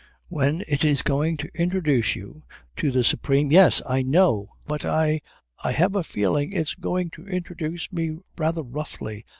When it is going to introduce you to the supreme " "Y'es, I know. But I I have a feeling it's going to introduce me rather roughly.